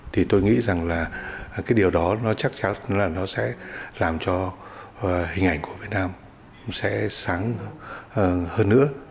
thì tôi nghĩ rằng là cái điều đó nó chắc chắn là nó sẽ làm cho hình ảnh của việt nam sẽ sáng hơn nữa